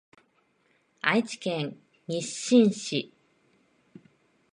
愛知県日進市